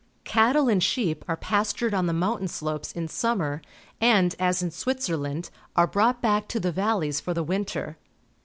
Cattle and sheep are pastured on the mountain slopes in summer, and, as in Switzerland, are brought back to the valleys for the winter.